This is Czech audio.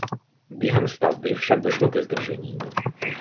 Během stavby však došlo ke zdržení.